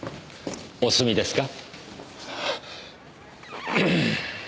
お済みですか？